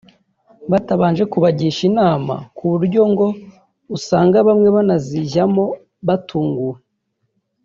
batabanje kubagisha inama kuburyo ngo usanga bamwe banazijyamo batunguwe